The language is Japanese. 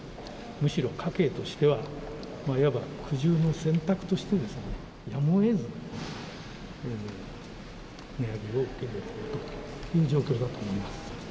むしろ家計としてはいわば苦渋の選択としてやむを得ず値上げを受け入れているという状況だと思います。